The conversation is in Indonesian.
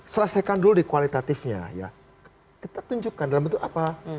selesaikan dulu di kualitatifnya ya kita tunjukkan dalam bentuk apa